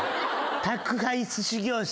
宅配すし業者